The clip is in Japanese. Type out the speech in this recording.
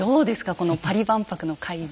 このパリ万博の会場。